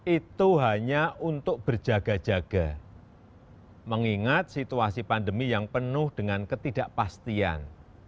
itu hanya untuk berjaga jaga mengingat situasi pandemi yang penuh dengan ketidakpastian